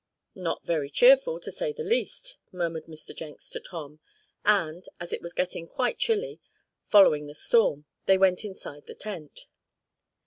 "Not very cheerful, to say the least," murmured Mr. Jenks to Tom, and, as it was getting quite chilly, following the storm, they went inside the tent.